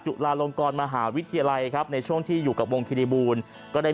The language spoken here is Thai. จุฬาลงกรมหาวิทยาลัยครับในช่วงที่อยู่กับวงคิริบูลก็ได้